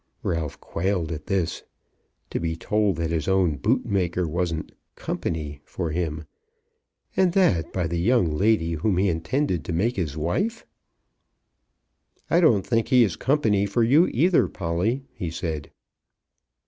Ralph quailed at this. To be told that his own boot maker wasn't "company" for him, and that by the young lady whom he intended to make his wife! "I don't think he is company for you either Polly," he said.